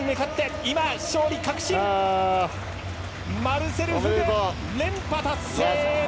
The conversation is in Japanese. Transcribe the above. ルセル・フグ、連覇達成！